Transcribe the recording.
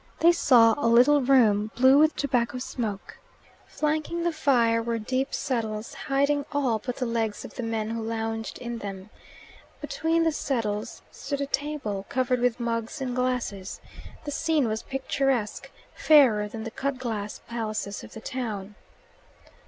They saw a little room, blue with tobacco smoke. Flanking the fire were deep settles hiding all but the legs of the men who lounged in them. Between the settles stood a table, covered with mugs and glasses. The scene was picturesque fairer than the cutglass palaces of the town.